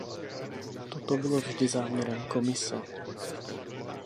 Toto bylo vždy záměrem Komise.